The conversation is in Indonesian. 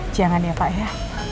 jangan ya pak ya